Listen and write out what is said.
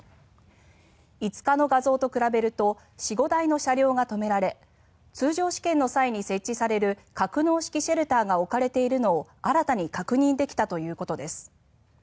５日の画像と比べると４５台の車両が止められ通常試験の際に設置される格納式シェルターが置かれているのを新たに確認できたということです。